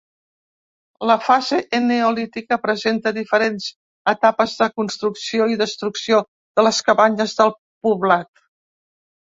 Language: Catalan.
La fase eneolítica presenta diferents etapes de construcció i destrucció de les cabanyes del poblat.